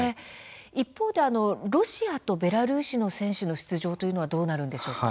一方でロシアとベラルーシの選手の出場というのはどうなるんでしょうか。